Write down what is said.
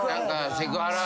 セクハラ！？